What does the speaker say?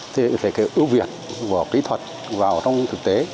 thì phải ưu việt của kỹ thuật vào trong thực tế